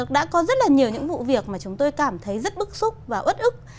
đã có rất là nhiều những vụ việc mà chúng tôi cảm thấy rất bức xúc và ớt ức